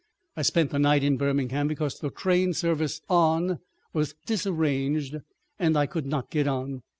I spent the night in Birmingham because the train service on was disarranged, and I could not get on.